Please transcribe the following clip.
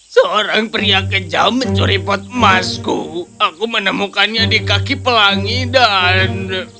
seorang pria kejam mencuri pot emasku aku menemukannya di kaki pelangi dan